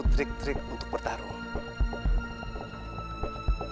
trik trik untuk bertarung